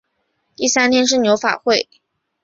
第三天是牛法会。